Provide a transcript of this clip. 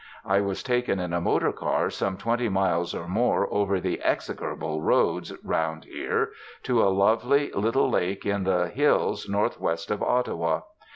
I was taken in a motor car some twenty miles or more over the execrable roads round here, to a lovely little lake in the hills north west of Ottawa.